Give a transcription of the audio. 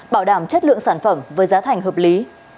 bảo đảm chất lượng sản phẩm với giá thành hợp lý